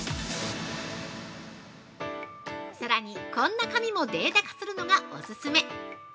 さらにこんな紙もデータ化するのがお勧め。